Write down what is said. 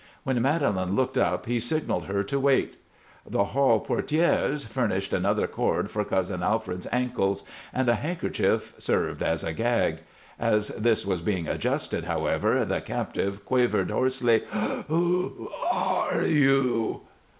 When Madelon looked up he signaled her to wait. The hall portières furnished another cord for Cousin Alfred's ankles, and a handkerchief served as a gag. As this was being adjusted, however, the captive quavered, hoarsely: "Who are you?"